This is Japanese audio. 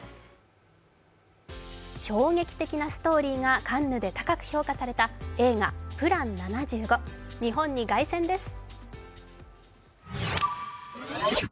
衝撃的なストーリーがカンヌで高く評価された映画「ＰＬＡＮ７５」日本に凱旋です。